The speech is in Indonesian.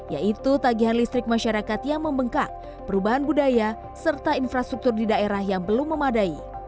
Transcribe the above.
yaitu tagihan listrik masyarakat yang membengkak perubahan budaya serta infrastruktur di daerah yang belum memadai